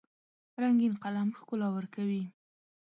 رنګین قلم ښکلا ورکوي.